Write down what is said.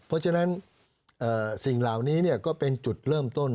เพราะฉะนั้นสิ่งเหล่านี้ก็เป็นจุดเริ่มต้น